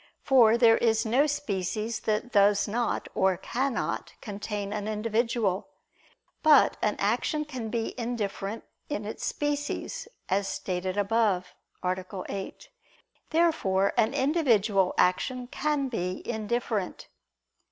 For there is no species that does not, or cannot, contain an individual. But an action can be indifferent in its species, as stated above (A. 8). Therefore an individual action can be indifferent.